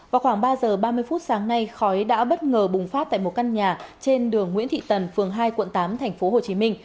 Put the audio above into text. vào khoảng ba giờ ba mươi phút sáng nay khói đã bất ngờ bùng phát tại một căn nhà trên đường nguyễn thị tần phường hai quận tám tp hcm